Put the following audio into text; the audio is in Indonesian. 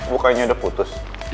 bukannya udah putus